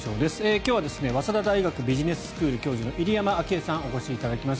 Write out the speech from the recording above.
今日は、早稲田大学ビジネススクール教授の入山章栄さんにお越しいただきました。